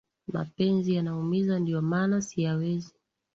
Mapenzi yanaumiza, ndio maana siyawezi